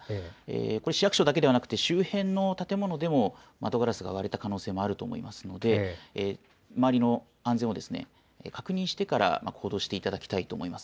これ、市役所だけではなくて周辺の建物でも窓ガラスが割れた可能性もあると思いますので周りの安全をですね確認してから行動していただきたいと思います。